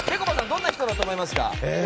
どんな人だと思いますか。